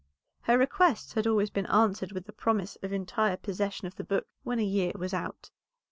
Her requests had always been answered with the promise of entire possession of the book when the year was out.